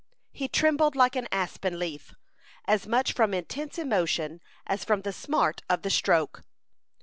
He trembled like an aspen leaf, as much from intense emotion as from the smart of the stroke.